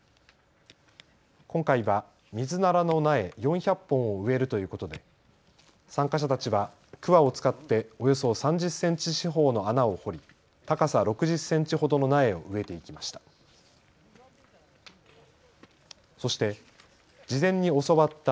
今回はミズナラの苗４００本を植えるということで参加者たちはくわを使っておよそ３０センチ四方の穴を掘り高さ６０センチほどの苗を植えていきました。